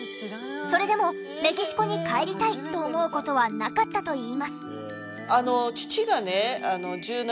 それでも「メキシコに帰りたい」と思う事はなかったといいます。